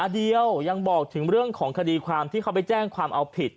เดียวยังบอกถึงเรื่องของคดีความที่เขาไปแจ้งความเอาผิด